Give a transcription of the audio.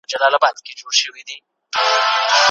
هم باید بدبینانه افکار نقد او رد کړو، نه قومونه. موږ